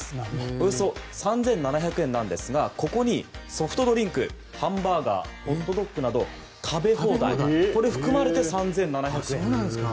およそ３７００円ですがここにソフトドリンク、ハンバーガーホットドッグなど食べ放題これらが含まれて３７００円。